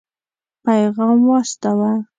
پيغام واستاوه.